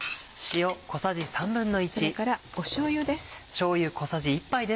それからしょうゆです。